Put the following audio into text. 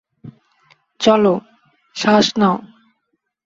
চলো, শ্বাস নাও।